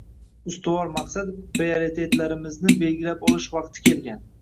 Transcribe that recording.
Ustuvor maqsad — prioritetlarimizni belgilab olish vaqti kelgan.